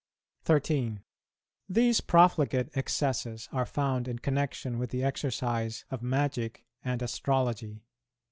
13. These profligate excesses are found in connexion with the exercise of magic and astrology.